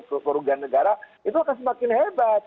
kerugian negara itu akan semakin hebat